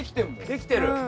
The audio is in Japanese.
できてる。